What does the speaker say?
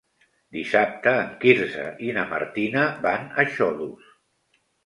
Dissabte en Quirze i na Martina van a Xodos.